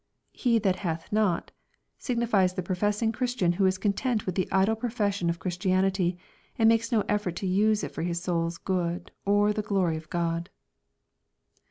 " He that hath not," signifies the professing Christian who is content with the idle possession of Christianity, and makes no effort to use it for his soul's good, or the glory of God.